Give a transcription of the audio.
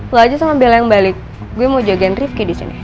lo aja sama beli yang balik gue mau jagain rifqi disini